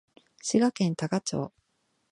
滋賀県多賀町